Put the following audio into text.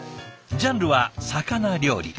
ジャンルは「魚料理」。